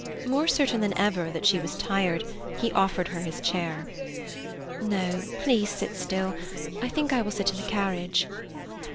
More certain than ever that she was tired, he offered her his chair. "No, please sit still. I think I will sit in the carriage."